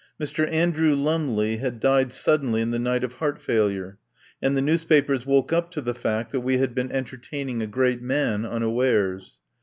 Mr. Andrew Lumley had died suddenly in the night of heart failure, and the newspapers woke up to the fact that we had been enter taining a great man unawares.